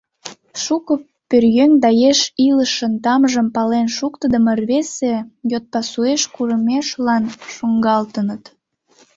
Шуко пӧръеҥ да еш илышын тамжым пален шуктыдымо рвезе йот пасуэш курымешлан шуҥгалтыныт.